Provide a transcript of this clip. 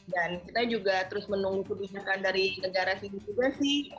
dan kita juga terus menunggu kebijakan dari negara sini juga sih